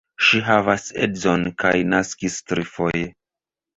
Ŝi havas edzon kaj naskis trifoje.